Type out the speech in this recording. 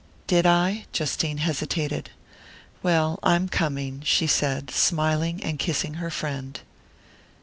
"Did I?" Justine hesitated. "Well, I'm coming," she said, smiling and kissing her friend.